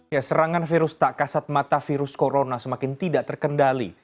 ya serangan virus tak kasat mata virus corona semakin tidak terkendali